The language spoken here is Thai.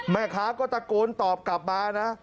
แม่ค้าก็ตะโกนตอบกลับมานะ